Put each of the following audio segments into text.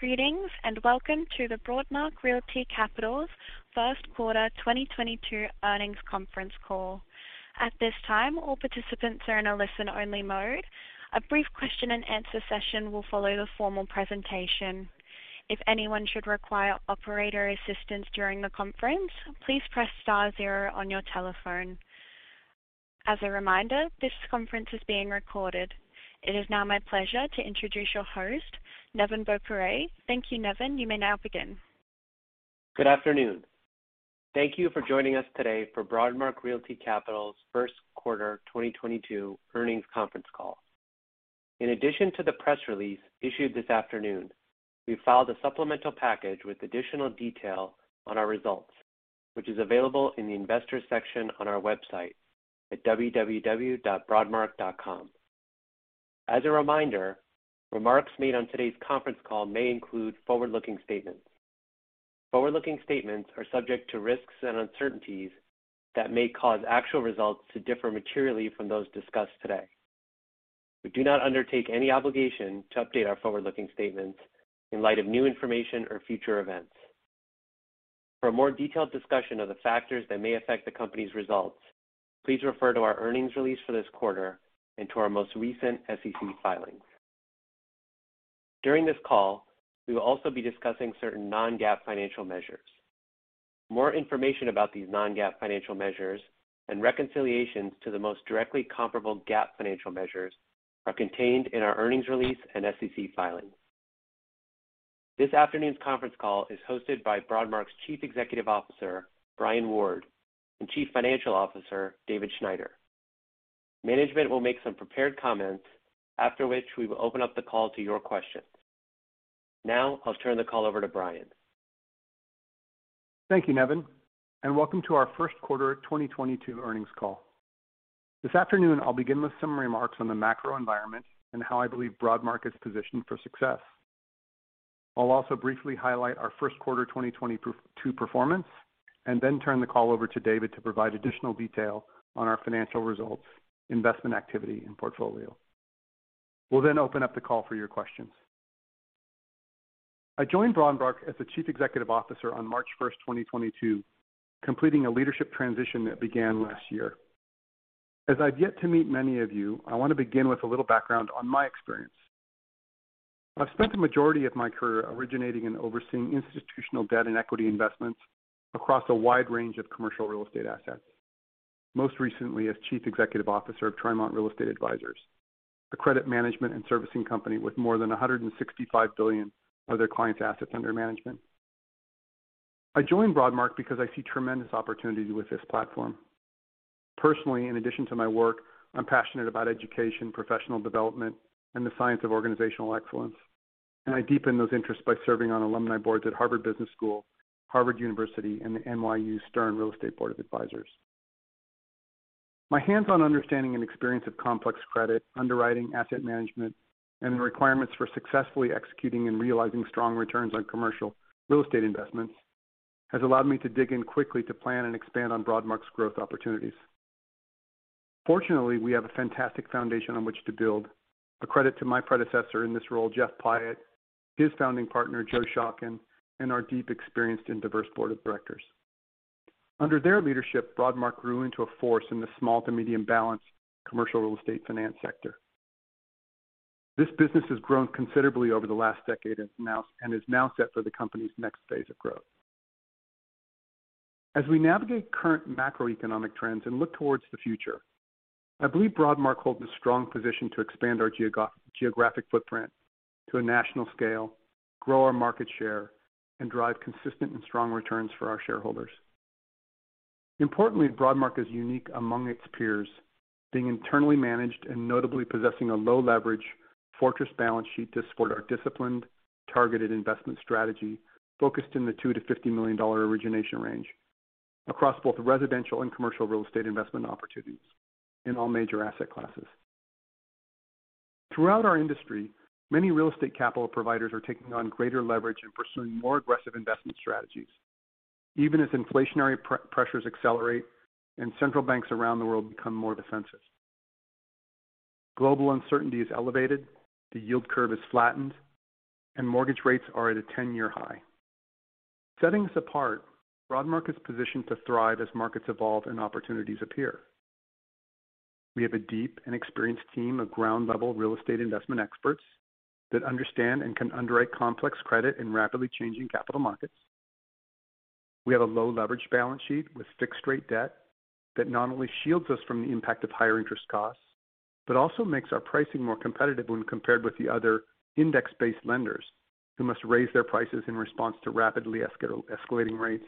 Greetings, and Welcome to the Broadmark Realty Capital's first quarter 2022 earnings conference call. At this time, all participants are in a listen-only mode. A brief question and answer session will follow the formal presentation. If anyone should require operator assistance during the conference, please press star zero on your telephone. As a reminder, this conference is being recorded. It is now my pleasure to introduce your host, Nevin Boparai. Thank you, Nevin. You may now begin. Good afternoon. Thank you for joining us today for Broadmark Realty Capital's first quarter 2022 earnings conference call. In addition to the press release issued this afternoon, we filed a supplemental package with additional detail on our results, which is available in the investors section on our website at www.broadmark.com. As a reminder, remarks made on today's conference call may include forward-looking statements. Forward-looking statements are subject to risks and uncertainties that may cause actual results to differ materially from those discussed today. We do not undertake any obligation to update our forward-looking statements in light of new information or future events. For a more detailed discussion of the factors that may affect the company's results, please refer to our earnings release for this quarter and to our most recent SEC filings. During this call, we will also be discussing certain non-GAAP financial measures. More information about these non-GAAP financial measures and reconciliations to the most directly comparable GAAP financial measures are contained in our earnings release and SEC filings. This afternoon's conference call is hosted by Broadmark's Chief Executive Officer, Brian Ward, and Chief Financial Officer, David Schneider. Management will make some prepared comments, after which we will open up the call to your questions. Now I'll turn the call over to Brian. Thank you, Neven, and welcome to our first quarter 2022 earnings call. This afternoon, I'll begin with some remarks on the macro environment and how I believe Broadmark is positioned for success. I'll also briefly highlight our first quarter 2022 performance and then turn the call over to David to provide additional detail on our financial results, investment activity and portfolio. We'll then open up the call for your questions. I joined Broadmark as the Chief Executive Officer on March 1st, 2022, completing a leadership transition that began last year. As I've yet to meet many of you, I want to begin with a little background on my experience. I've spent the majority of my career originating and overseeing institutional debt and equity investments across a wide range of commercial real estate assets. Most recently as Chief Executive Officer of Trimont Real Estate Advisors, a credit management and servicing company with more than $165 billion of their clients' assets under management. I joined Broadmark because I see tremendous opportunities with this platform. Personally, in addition to my work, I'm passionate about education, professional development, and the science of organizational excellence, and I deepen those interests by serving on alumni boards at Harvard Business School, Harvard University, and the NYU Stern Real Estate Board of Advisors. My hands-on understanding and experience of complex credit underwriting, asset management, and the requirements for successfully executing and realizing strong returns on commercial real estate investments has allowed me to dig in quickly to plan and expand on Broadmark's growth opportunities. Fortunately, we have a fantastic foundation on which to build. A credit to my predecessor in this role, Jeff Pyatt, his founding partner, Joe Schocken, and our deep, experienced and diverse board of directors. Under their leadership, Broadmark grew into a force in the small to medium balance commercial real estate finance sector. This business has grown considerably over the last decade and is now set for the company's next phase of growth. As we navigate current macroeconomic trends and look towards the future, I believe Broadmark holds a strong position to expand our geographic footprint to a national scale, grow our market share, and drive consistent and strong returns for our shareholders. Importantly, Broadmark is unique among its peers, being internally managed and notably possessing a low leverage fortress balance sheet to support our disciplined targeted investment strategy focused in the $2 million-$50 million origination range across both residential and commercial real estate investment opportunities in all major asset classes. Throughout our industry, many real estate capital providers are taking on greater leverage and pursuing more aggressive investment strategies, even as inflationary pressures accelerate and central banks around the world become more defensive. Global uncertainty is elevated, the yield curve is flattened, and mortgage rates are at a 10-year high. Setting us apart, Broadmark is positioned to thrive as markets evolve and opportunities appear. We have a deep and experienced team of ground-level real estate investment experts that understand and can underwrite complex credit in rapidly changing capital markets. We have a low leverage balance sheet with fixed rate debt that not only shields us from the impact of higher interest costs, but also makes our pricing more competitive when compared with the other index-based lenders who must raise their prices in response to rapidly escalating rates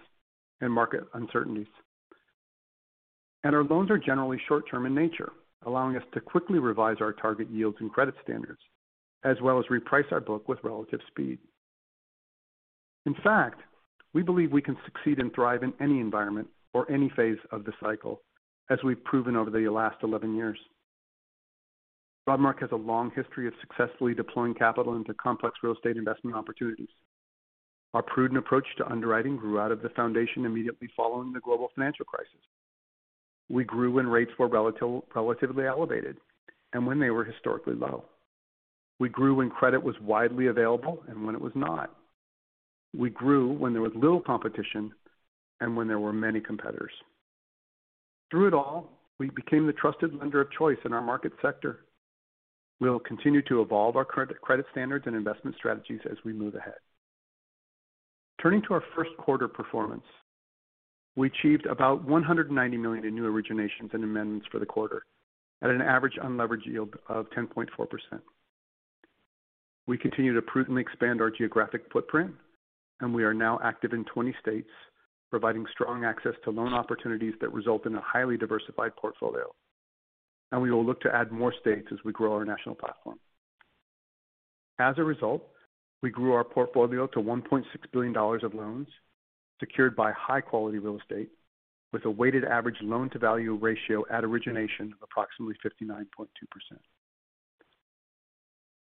and market uncertainties. Our loans are generally short-term in nature, allowing us to quickly revise our target yields and credit standards, as well as reprice our book with relative speed. In fact, we believe we can succeed and thrive in any environment or any phase of the cycle, as we've proven over the last 11 years. Broadmark has a long history of successfully deploying capital into complex real estate investment opportunities. Our prudent approach to underwriting grew out of the foundation immediately following the global financial crisis. We grew when rates were relatively elevated and when they were historically low. We grew when credit was widely available and when it was not. We grew when there was little competition and when there were many competitors. Through it all, we became the trusted lender of choice in our market sector. We'll continue to evolve our current credit standards and investment strategies as we move ahead. Turning to our first quarter performance. We achieved about $190 million in new originations and amendments for the quarter, at an average unlevered yield of 10.4%. We continue to prudently expand our geographic footprint, and we are now active in 20 states, providing strong access to loan opportunities that result in a highly diversified portfolio. We will look to add more states as we grow our national platform. As a result, we grew our portfolio to $1.6 billion of loans secured by high-quality real estate, with a weighted average loan-to-value ratio at origination of approximately 59.2%.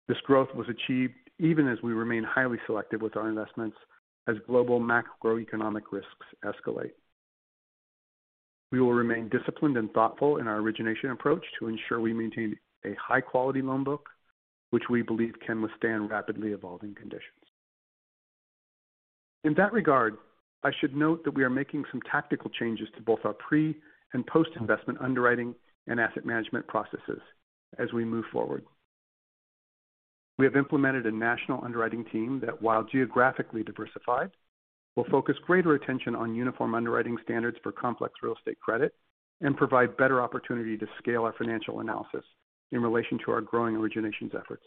This growth was achieved even as we remain highly selective with our investments as global macroeconomic risks escalate. We will remain disciplined and thoughtful in our origination approach to ensure we maintain a high-quality loan book, which we believe can withstand rapidly evolving conditions. In that regard, I should note that we are making some tactical changes to both our pre- and post-investment underwriting and asset management processes as we move forward. We have implemented a national underwriting team that, while geographically diversified, will focus greater attention on uniform underwriting standards for complex real estate credit and provide better opportunity to scale our financial analysis in relation to our growing originations efforts.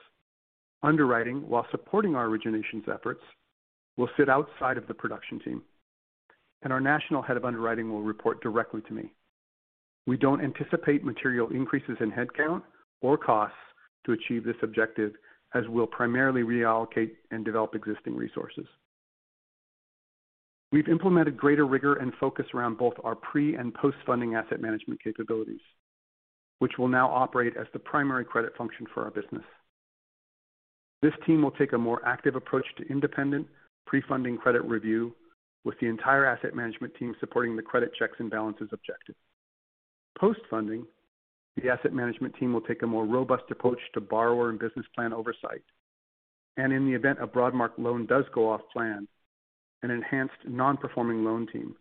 Underwriting, while supporting our originations efforts, will sit outside of the production team, and our national head of underwriting will report directly to me. We don't anticipate material increases in headcount or costs to achieve this objective, as we'll primarily reallocate and develop existing resources. We've implemented greater rigor and focus around both our pre- and post-funding asset management capabilities, which will now operate as the primary credit function for our business. This team will take a more active approach to independent pre-funding credit review with the entire asset management team supporting the credit checks and balances objective. Post-funding, the asset management team will take a more robust approach to borrower and business plan oversight. In the event a Broadmark loan does go off plan, an enhanced non-performing loan team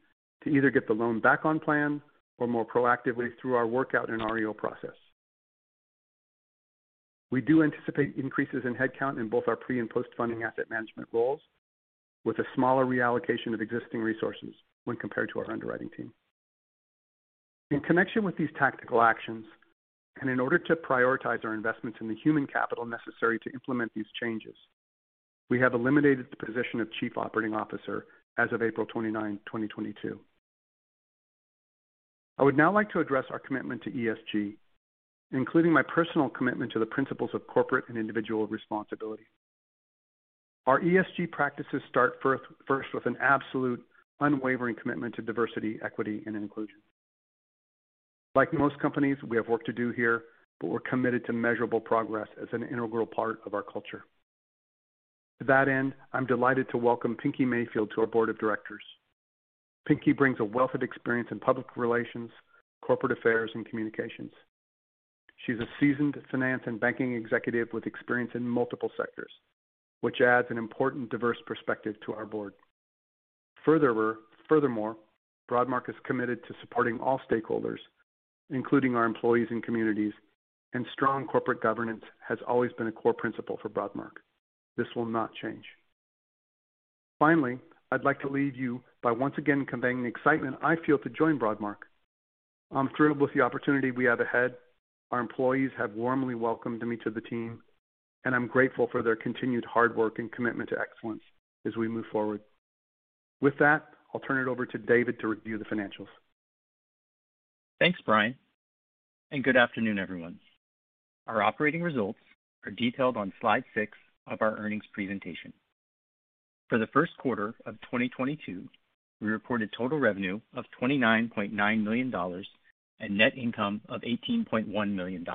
to either get the loan back on plan or more proactively through our workout and REO process. We do anticipate increases in headcount in both our pre- and post-funding asset management roles with a smaller reallocation of existing resources when compared to our underwriting team. In connection with these tactical actions, and in order to prioritize our investments in the human capital necessary to implement these changes, we have eliminated the position of Chief Operating Officer as of April 29, 2022. I would now like to address our commitment to ESG, including my personal commitment to the principles of corporate and individual responsibility. Our ESG practices start first with an absolute unwavering commitment to diversity, equity, and inclusion. Like most companies, we have work to do here, but we're committed to measurable progress as an integral part of our culture. To that end, I'm delighted to welcome Pinkie D. Mayfield to our board of directors. Pinkie brings a wealth of experience in public relations, corporate affairs, and communications. She's a seasoned finance and banking executive with experience in multiple sectors, which adds an important diverse perspective to our board. Furthermore, Broadmark is committed to supporting all stakeholders, including our employees and communities, and strong corporate governance has always been a core principle for Broadmark. This will not change. Finally, I'd like to leave you by once again conveying the excitement I feel to join Broadmark. I'm thrilled with the opportunity we have ahead. Our employees have warmly welcomed me to the team, and I'm grateful for their continued hard work and commitment to excellence as we move forward. With that, I'll turn it over to David to review the financials. Thanks, Brian, and good afternoon, everyone. Our operating results are detailed on slide six of our earnings presentation. For the first quarter of 2022, we reported total revenue of $29.9 million and net income of $18.1 million.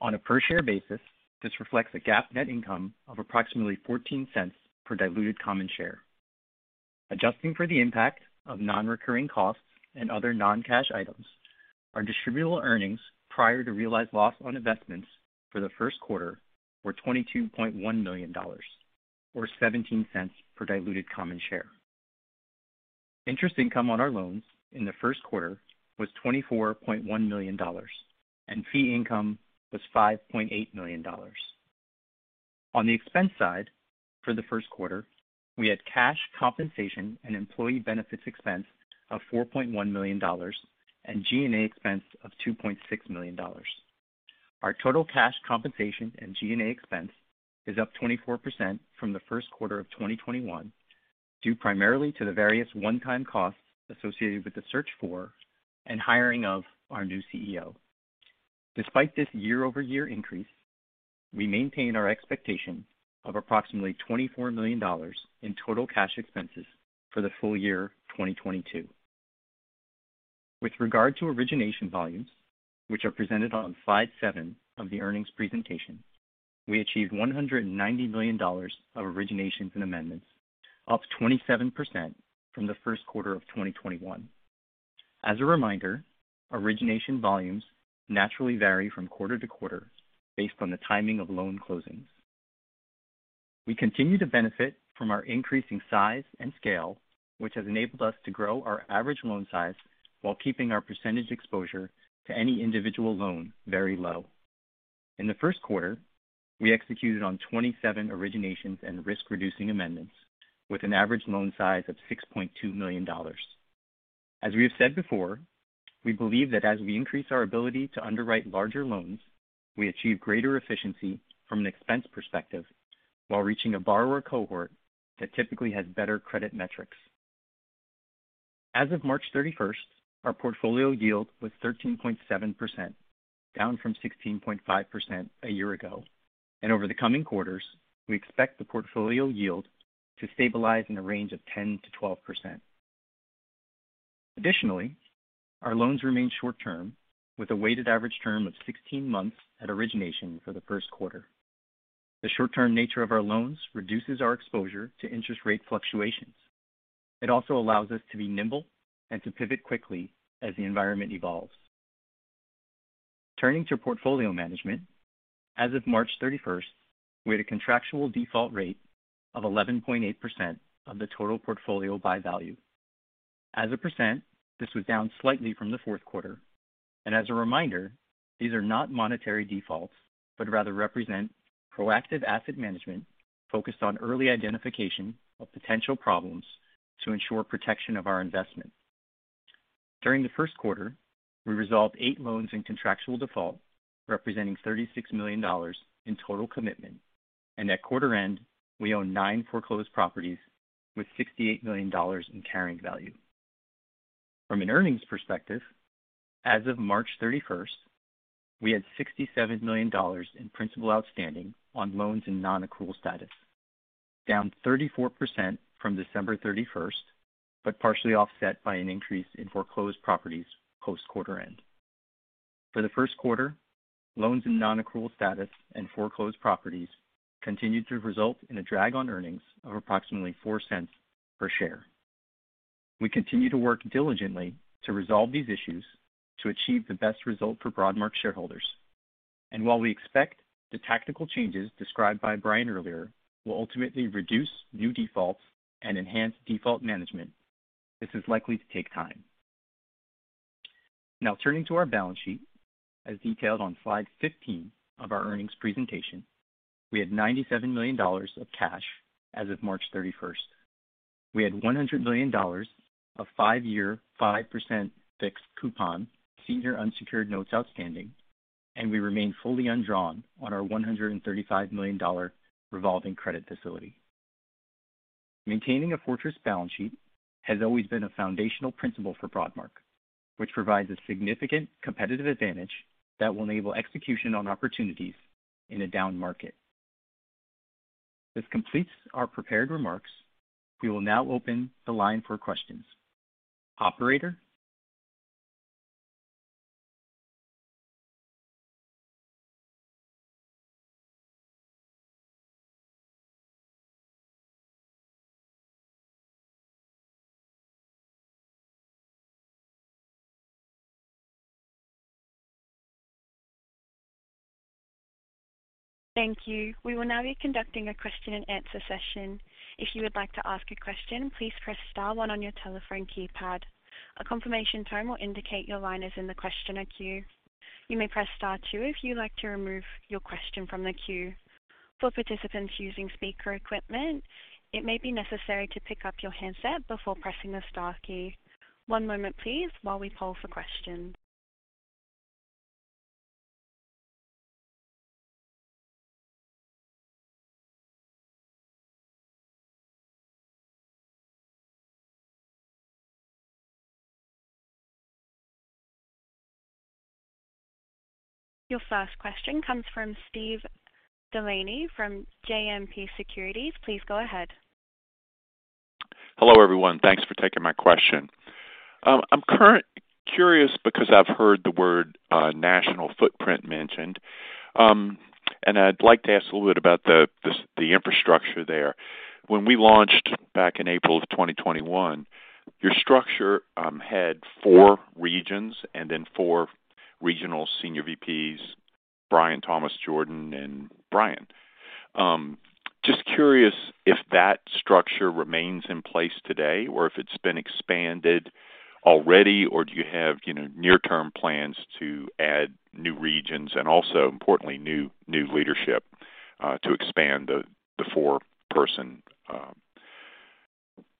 On a per-share basis, this reflects a GAAP net income of approximately $0.14 per diluted common share. Adjusting for the impact of non-recurring costs and other non-cash items, our distributable earnings prior to realized loss on investments for the first quarter were $22.1 million or $0.17 per diluted common share. Interest income on our loans in the first quarter was $24.1 million, and fee income was $5.8 million. On the expense side, for the first quarter, we had cash compensation and employee benefits expense of $4.1 million and G&A expense of $2.6 million. Our total cash compensation and G&A expense is up 24% from the first quarter of 2021, due primarily to the various one-time costs associated with the search for and hiring of our new CEO. Despite this year-over-year increase, we maintain our expectation of approximately $24 million in total cash expenses for the full year 2022. With regard to origination volumes, which are presented on slide seven of the earnings presentation, we achieved $190 million of originations and amendments. Up 27% from the first quarter of 2021. As a reminder, origination volumes naturally vary from quarter to quarter based on the timing of loan closings. We continue to benefit from our increasing size and scale, which has enabled us to grow our average loan size while keeping our percentage exposure to any individual loan very low. In the first quarter, we executed on 27 originations and risk-reducing amendments with an average loan size of $6.2 million. As we have said before, we believe that as we increase our ability to underwrite larger loans, we achieve greater efficiency from an expense perspective while reaching a borrower cohort that typically has better credit metrics. As of March 31st, 2022, our portfolio yield was 13.7%, down from 16.5% a year ago. Over the coming quarters, we expect the portfolio yield to stabilize in a range of 10%-12%. Additionally, our loans remain short-term with a weighted average term of 16 months at origination for the first quarter. The short-term nature of our loans reduces our exposure to interest rate fluctuations. It also allows us to be nimble and to pivot quickly as the environment evolves. Turning to portfolio management. As of March 31st, 2022, we had a contractual default rate of 11.8% of the total portfolio by value. As a percent, this was down slightly from the fourth quarter. As a reminder, these are not monetary defaults but rather represent proactive asset management focused on early identification of potential problems to ensure protection of our investment. During the first quarter, we resolved 8 loans in contractual default, representing $36 million in total commitment, and at quarter end, we own 9 foreclosed properties with $68 million in carrying value. From an earnings perspective, as of March 31st, 2022, we had $67 million in principal outstanding on loans in non-accrual status, down 34% from December 31st, 2022, but partially offset by an increase in foreclosed properties post-quarter end. For the first quarter, loans in non-accrual status and foreclosed properties continued to result in a drag on earnings of approximately $0.04 per share. We continue to work diligently to resolve these issues to achieve the best result for Broadmark shareholders. While we expect the tactical changes described by Brian earlier will ultimately reduce new defaults and enhance default management, this is likely to take time. Now turning to our balance sheet. As detailed on slide 15 of our earnings presentation, we had $97 million of cash as of March 31st, 2022. We had $100 million of five-year, 5% fixed coupon senior unsecured notes outstanding, and we remain fully undrawn on our $135 million revolving credit facility. Maintaining a fortress balance sheet has always been a foundational principle for Broadmark, which provides a significant competitive advantage that will enable execution on opportunities in a down market. This completes our prepared remarks. We will now open the line for questions. Operator? Thank you. We will now be conducting a question-and-answer session. If you would like to ask a question, please press star one on your telephone keypad. A confirmation tone will indicate your line is in the questioner queue. You may press star two if you'd like to remove your question from the queue. For participants using speaker equipment, it may be necessary to pick up your handset before pressing the star key. One moment please while we poll for questions. Your first question comes from Steve DeLaney from JMP Securities. Please go ahead. Hello, everyone. Thanks for taking my question. I'm currently curious because I've heard the word national footprint mentioned, and I'd like to ask a little bit about the infrastructure there. When we launched back in April 2021, your structure had four regions and then four regional senior VPs, Brian, Tom, Jordan and Bryan. Just curious if that structure remains in place today or if it's been expanded already, or do you have, you know, near-term plans to add new regions and also importantly new leadership to expand the four-person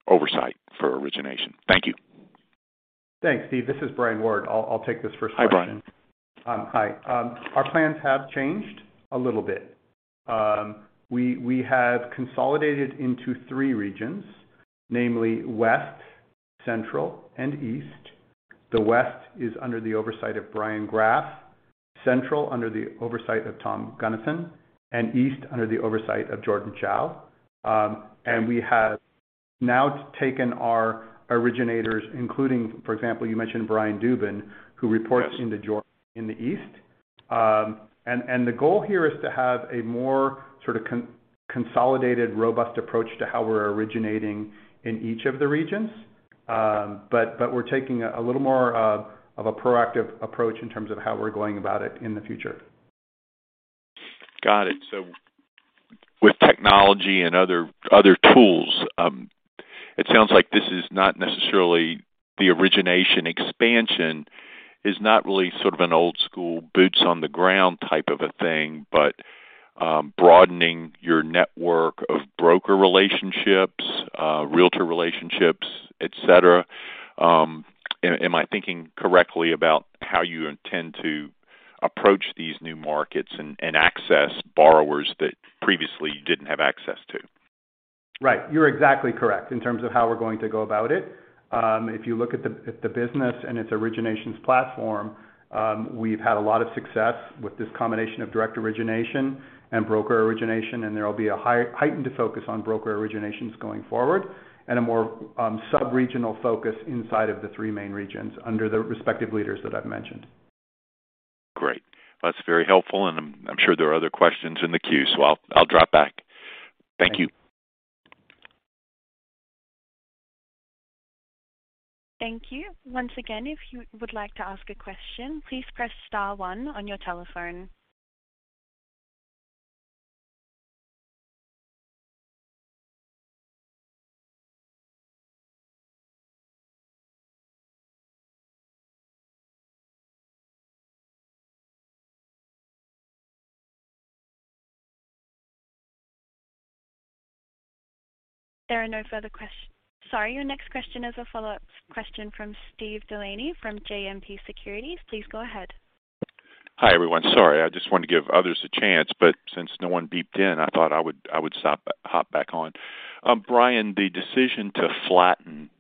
oversight for origination? Thank you. Thanks, Steve. This is Brian Ward. I'll take this first question. Hi, Brian. Hi. Our plans have changed a little bit. We have consolidated into three regions, namely West, Central and East. The West is under the oversight of Bryan Graf, Central under the oversight of Tom Gunnison, and East under the oversight of Jordan Chow. We have now taken our originators, including, for example, you mentioned Brian Dubin, who reports- Yes. Into Jordan in the East. The goal here is to have a more sort of consolidated, robust approach to how we're originating in each of the regions. We're taking a little more of a proactive approach in terms of how we're going about it in the future. Got it. With technology and other tools, it sounds like this is not necessarily the origination. Expansion is not really sort of an old school boot on the ground type of a thing, but broadening your network of broker relationships, realtor relationships, et cetera. Am I thinking correctly about how you intend to approach these new markets and access borrowers that previously you didn't have access to? Right. You're exactly correct in terms of how we're going to go about it. If you look at the business and its originations platform, we've had a lot of success with this combination of direct origination and broker origination, and there will be a heightened focus on broker originations going forward and a more sub-regional focus inside of the three main regions under the respective leaders that I've mentioned. Great. That's very helpful. I'm sure there are other questions in the queue, so I'll drop back. Thank you. Thank you. Once again, if you would like to ask a question, please press star one on your telephone. There are no further questions. Sorry. Your next question is a follow-up question from Steve DeLaney from JMP Securities. Please go ahead. Hi, everyone. Sorry, I just wanted to give others a chance, but since no one beeped in, I thought I would stop, hop back on. Brian, the decision to flatten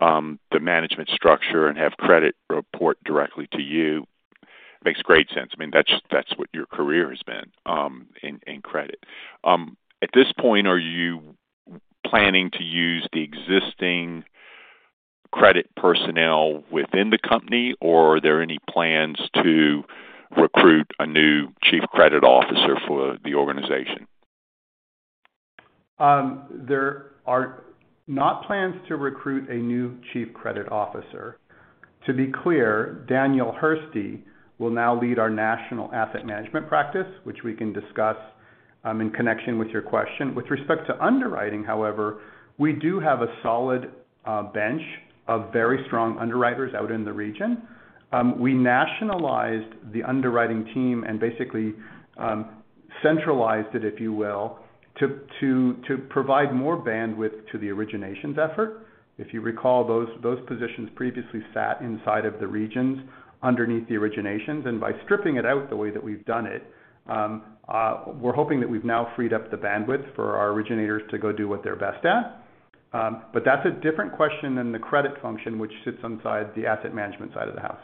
the management structure and have credit report directly to you makes great sense. I mean, that's what your career has been in credit. At this point, are you planning to use the existing credit personnel within the company, or are there any plans to recruit a new chief credit officer for the organization? There are no plans to recruit a new chief credit officer. To be clear, Daniel Hirsty will now lead our national asset management practice, which we can discuss in connection with your question. With respect to underwriting, however, we do have a solid bench of very strong underwriters out in the region. We nationalized the underwriting team and basically centralized it, if you will, to provide more bandwidth to the origination's effort. If you recall, those positions previously sat inside of the regions underneath the originations, and by stripping it out the way that we've done it, we're hoping that we've now freed up the bandwidth for our originators to go do what they're best at. That's a different question than the credit function, which sits inside the asset management side of the house.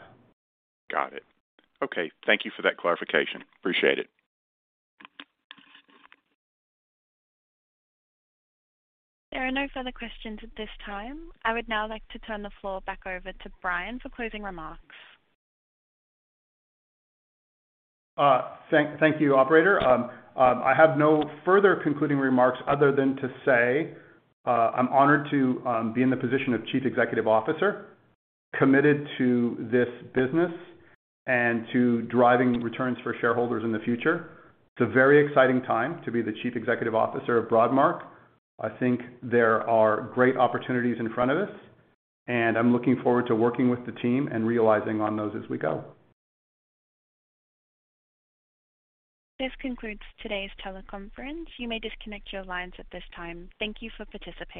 Got it. Okay. Thank you for that clarification. Appreciate it. There are no further questions at this time. I would now like to turn the floor back over to Brian for closing remarks. Thank you, operator. I have no further concluding remarks other than to say, I'm honored to be in the position of Chief Executive Officer, committed to this business and to driving returns for shareholders in the future. It's a very exciting time to be the Chief Executive Officer of Broadmark. I think there are great opportunities in front of us, and I'm looking forward to working with the team and capitalizing on those as we go. This concludes today's teleconference. You may disconnect your lines at this time. Thank you for participating.